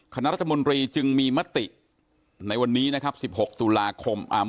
คณะรัฐมนตรีจึงมีมติในวันนี้นะครับ๑๖ตุลาคม